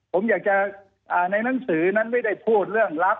ผมอยากจะในหนังสือนั้นไม่ได้พูดเรื่องลับ